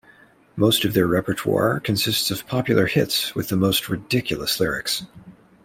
Most of their repertoire consists of popular hits with the most ridiculous lyrics.